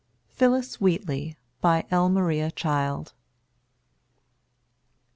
PHILLIS WHEATLEY. BY L. MARIA CHILD.